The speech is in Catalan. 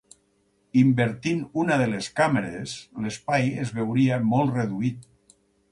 Invertint una de les càmeres, l'espai es veuria molt reduït.